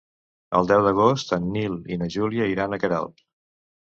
El deu d'agost en Nil i na Júlia iran a Queralbs.